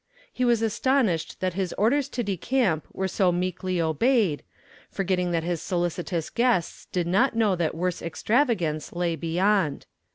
He was astonished that his orders to decamp were so meekly obeyed, forgetting that his solicitous guests did not know that worse extravagance lay beyond.